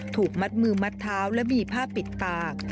ถูกมัดมือมัดเท้าและมีผ้าปิดปาก